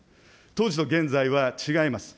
当時と現在は違います。